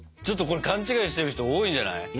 ちょっとこれ勘違いしてる人多いんじゃない？